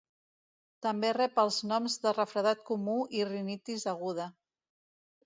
També rep els noms de refredat comú i rinitis aguda.